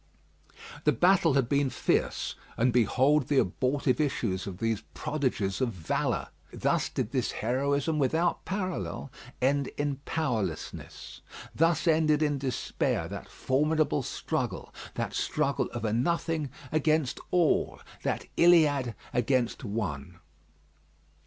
The battle had been fierce, and behold the abortive issue of these prodigies of valour. Thus did this heroism without parallel end in powerlessness; thus ended in despair that formidable struggle; that struggle of a nothing against all; that Iliad against one.